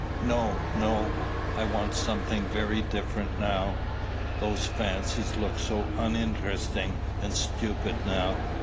"No, no. I want something very different now. Those fancies look so uninteresting and stupid now!